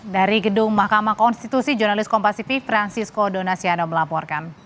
dari gedung mahkamah konstitusi jurnalis kompasifik francisco donasiano melaporkan